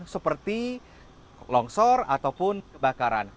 seperti longsor ataupun kebakaran